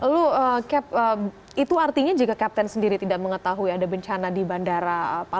lalu cap itu artinya jika captain sendiri tidak mengetahui ada bencana di bandara